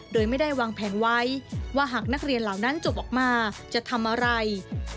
โดยไม่ได้วางแผนไว้ว่าหากนักเรียนเหล่านั้นจบออกมาจะทำอะไร